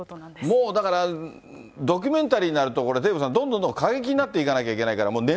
もうだから、ドキュメンタリーになると、デーブさん、どんどんどんどん過激になっていかなきゃいけないですからね。